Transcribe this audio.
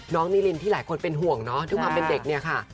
นิรินที่หลายคนเป็นห่วงเนาะด้วยความเป็นเด็กเนี่ยค่ะ